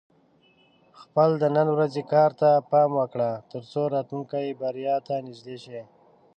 خپل د نن ورځې کار ته پام وکړه، ترڅو راتلونکې بریا ته نږدې شې.